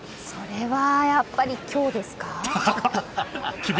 それはやっぱり凶ですか？